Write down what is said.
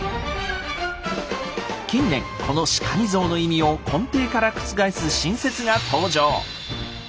近年この「しかみ像」の意味を根底から覆す新説が登場！